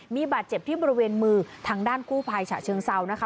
มีบาดเจ็บที่บริเวณมือทางด้านกู้ภัยฉะเชิงเซานะคะ